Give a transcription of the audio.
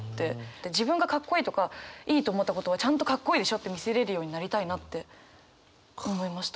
で自分がカッコいいとかいいと思ったことをちゃんとカッコいいでしょって見せれるようになりたいなって思いました。